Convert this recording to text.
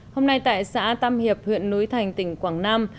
hôm nay tại xã tam hiệp huyện núi thành tỉnh quảng nam